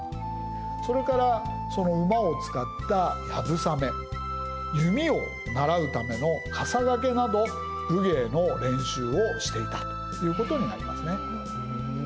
それからその馬を使った流鏑馬弓を習うための笠懸など武芸の練習をしていたということになりますね。